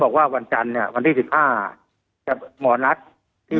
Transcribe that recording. ครับช่วงแรกเนี่ย